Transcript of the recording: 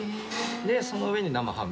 でその上に生ハム。